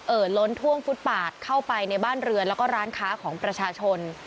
ล้นท่วมฟุตปาดเข้าไปในบ้านเรือนแล้วก็ร้านค้าของประชาชน